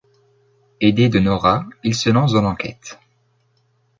Aidé de Nora, il se lance dans l'enquête.